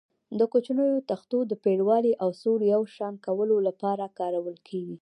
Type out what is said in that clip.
د کوچنیو تختو د پرېړوالي او سور یو شان کولو لپاره کارول کېږي.